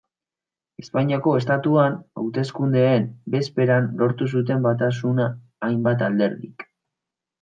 Espainiako Estatuan hauteskundeen bezperan lortu zuten batasuna hainbat alderdik.